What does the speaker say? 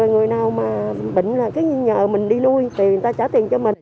rồi người nào mà bệnh là cứ nhờ mình đi nuôi thì người ta trả tiền cho mình